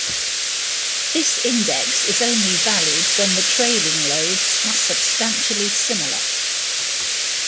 This index is only valid when the trailing loads are substantially similar.